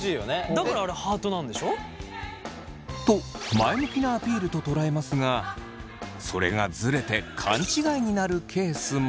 だからあれハートなんでしょ？と前向きなアピールと捉えますがそれがズレて勘違いになるケースも。